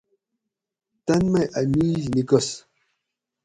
تن مئی اۤ میش نِیکس